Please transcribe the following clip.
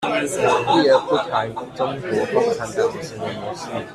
避而不談中國共產黨的行為模式